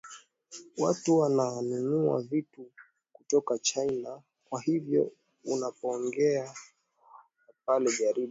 watu wananunua vitu kutoka china kwa hivyo unapoongea pale jaribu wame